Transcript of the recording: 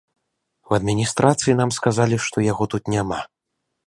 У адміністрацыі нам сказалі, што яго тут няма.